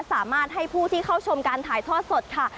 สามารถให้ผู้ที่เข้าชมการถ่ายทอดสดค่ะ